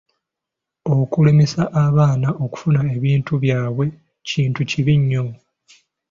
Okulemesa abaana okufuna ebintu byabwe kintu kibi nnyo.